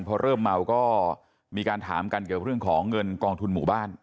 พอเริ่มเมาก็มีการถามกันเกี่ยวกับเรื่องของเงินกองทุนหมู่บ้าน